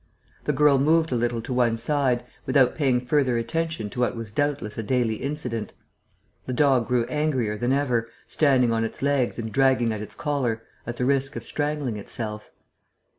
The girl moved a little to one side, without paying further attention to what was doubtless a daily incident. The dog grew angrier than ever, standing on its legs and dragging at its collar, at the risk of strangling itself.